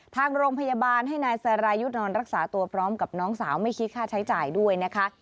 ทางโรงพยาบาลให้นายสรายุทธ์นอนรักษาตัวพร้อมกับน้องสาวไม่คิดค่าใช้จ่ายด้วยนะคะ